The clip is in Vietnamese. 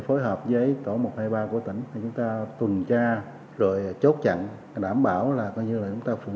phối hợp với tổ một trăm hai mươi ba của tỉnh để chúng ta tuần tra rồi chốt chặn đảm bảo là coi như là chúng ta phụ